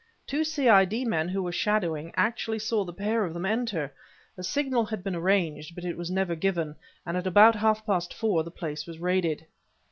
"Two C. I. D. men who were shadowing, actually saw the pair of them enter. A signal had been arranged, but it was never given; and at about half past four, the place was raided."